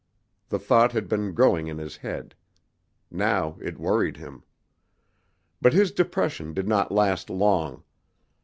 The thought had been growing in his head. Now it worried him. But his depression did not last long.